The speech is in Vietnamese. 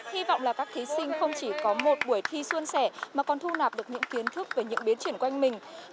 hy vọng là các thí sinh không chỉ có một buổi thi xuân sẻ mà còn thu nạp được những kiến thức về những biến chuyển quanh mình